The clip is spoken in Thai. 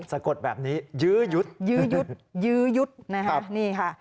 สะกดแบบนี้ยื๊อยุทธ์